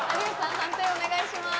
判定お願いします。